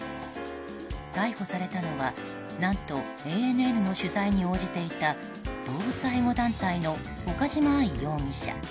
逮捕されたのは何とＡＮＮの取材に応じていた動物愛護団体の岡島愛容疑者。